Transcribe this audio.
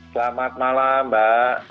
selamat malam mbak